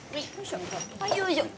よいしょ。